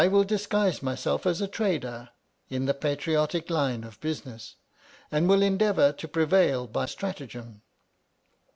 will disguise myself as a trader — in the patriotic line of business — and will endeavour to prevail by stratagem.